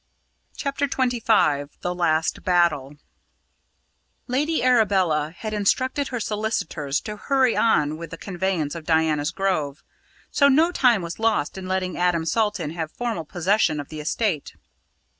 CHAPTER XXV THE LAST BATTLE Lady Arabella had instructed her solicitors to hurry on with the conveyance of Diana's Grove, so no time was lost in letting Adam Salton have formal possession of the estate.